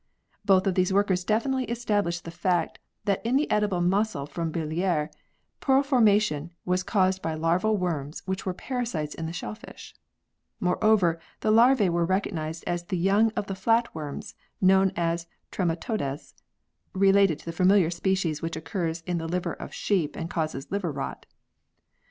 Both these workers definitely established the fact that in the edible mussel from Billiers, pearl formation was caused by larval worms which were parasites in the shellfish. Moreover, the larvae were recognised as the young of the flatworms, known as trematodes (related to the familiar species which occurs in the liver of sheep and causes liver rot).